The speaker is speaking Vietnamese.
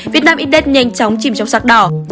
việt nam index nhanh chóng chìm trong sắc đỏ